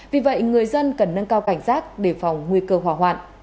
vì vậy người dân cần nâng cao cảnh giác đề phòng nguy cơ hỏa hoạn